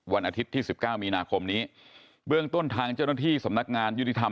วันอาทิตย์ที่๑๙มีนาคมนี้เบื้องต้นทางเจ้าหน้าที่สำนักงานยุติธรรม